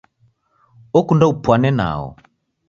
Okunda upwane nao.